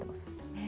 へえ。